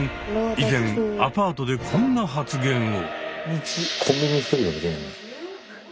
以前アパートでこんな発言を。